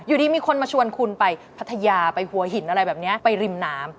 อยู่ดีมีคนมาชวนคุณไปพัทยาไปหัวหินอะไรแบบนี้ไปริมน้ำ